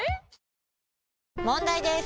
問題です！